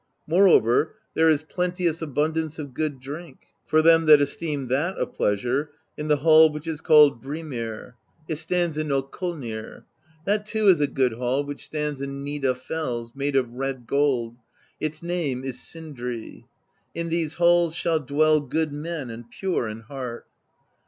Moreover, there is plenteous abundance of good drink, for them that esteem that a pleasure, in the hall which is called Brimir: it stands in Okolnir. That too is a good hall which stands in Nida Fells, made of red gold ; its name is Sindri. In these halls shall dwell good men and pure in heart.